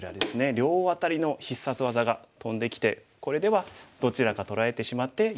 両アタリの必殺技が飛んできてこれではどちらか取られてしまってよくないですね。